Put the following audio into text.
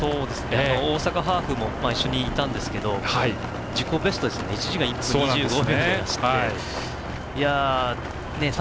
大阪ハーフも一緒にいたんですけど自己ベストですね。